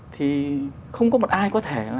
thì không có một ai có thể